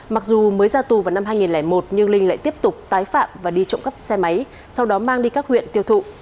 mặc dù mới ra tù vào năm hai nghìn một nhưng linh lại tiếp tục tái phạm và đi trộm cắp xe máy sau đó mang đi các huyện tiêu thụ